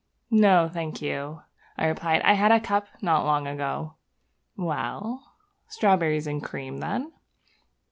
'No, thank you,' I replied, 'I had a cup not long ago.' 'Well, strawberries and cream, then?'